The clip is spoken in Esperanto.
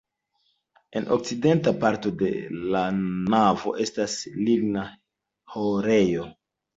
En okcidenta parto de la navo estas ligna ĥorejo.